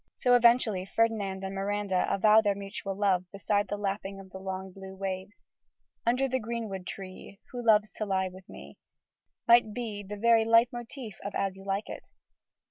So, eventually, Ferdinand and Miranda avow their mutual love beside the lapping of the long blue waves. "Under the greenwood tree Who loves to lie with me," might be the very leit motiv of As You Like It.